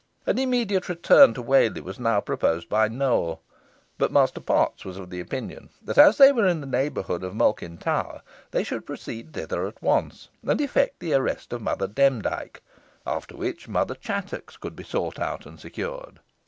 An immediate return to Whalley was now proposed by Nowell; but Master Potts was of opinion that, as they were in the neighbourhood of Malkin Tower, they should proceed thither at once, and effect the arrest of Mother Demdike, after which Mother Chattox could be sought out and secured.